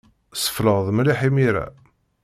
Ssefled mliḥ imir-a.